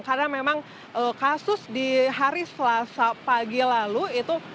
karena memang kasus di hari selasa pagi lalu itu